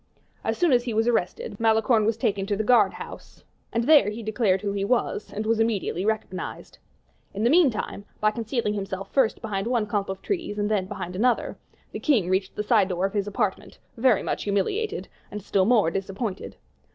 As soon as he was arrested, Malicorne was taken to the guard house, and there he declared who he was, and was immediately recognized. In the meantime, by concealing himself first behind one clump of trees and then behind another, the king reached the side door of his apartment, very much humiliated, and still more disappointed.